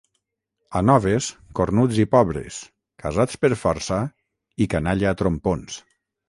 A Noves, cornuts i pobres, casats per força i canalla a trompons.